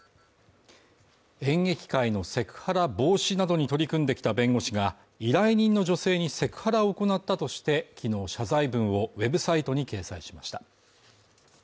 演劇界のセクハラ防止などに取り組んできた弁護士が依頼人の女性にセクハラを行ったとして、昨日謝罪文をウェブサイトに掲載しました。